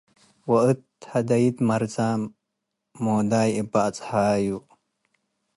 ወእት ሀዳይድ መረዝም - ሞዳይ አበ አጽሃዩ፣